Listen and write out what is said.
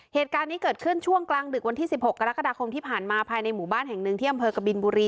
เหตุการณ์นี้เกิดขึ้นช่วงกลางดึกวันที่๑๖กรกฎาคมที่ผ่านมาภายในหมู่บ้านแห่งหนึ่งที่อำเภอกบินบุรี